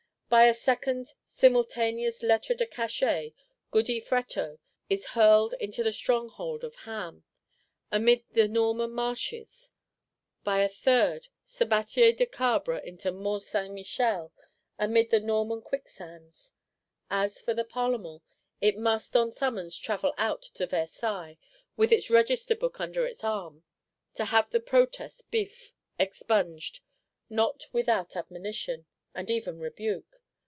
By a second, simultaneous Lettre de Cachet, Goody Fréteau is hurled into the Stronghold of Ham, amid the Norman marshes; by a third, Sabatier de Cabre into Mont St. Michel, amid the Norman quicksands. As for the Parlement, it must, on summons, travel out to Versailles, with its Register Book under its arm, to have the Protest biffé (expunged); not without admonition, and even rebuke.